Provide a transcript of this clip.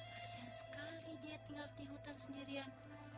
kasian sekali dia tinggal di hutan sendirian